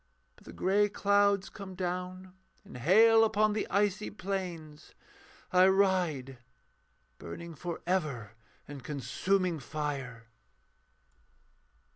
But the grey clouds come down In hail upon the icy plains: I ride, Burning for ever in consuming fire.